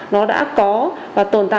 nó đã có và tồn tại